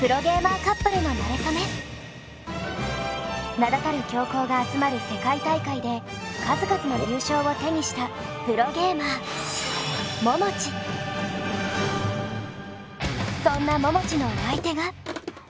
名だたる強豪が集まる世界大会で数々の優勝を手にしたプロゲーマーそんなももちのお相手が。